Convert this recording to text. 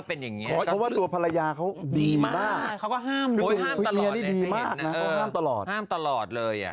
เพราะว่าตัวภรรยาเขาดีมากเขาก็ห้ามตลอดเลย